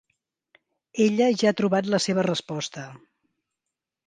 Ella ja ha trobat la seva resposta.